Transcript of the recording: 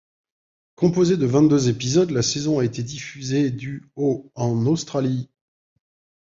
Composée de vingt-deux épisodes, la saison a été diffusée du au en Australie.